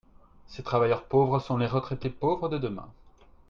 Ces travailleurs pauvres sont les retraités pauvres de demain.